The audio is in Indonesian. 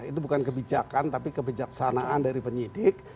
itu bukan kebijakan tapi kebijaksanaan dari penyidik